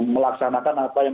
melaksanakan apa yang